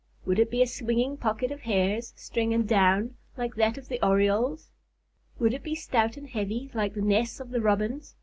Would it be a swinging pocket of hairs, strings, and down, like that of the Orioles? Would it be stout and heavy like the nests of the Robins?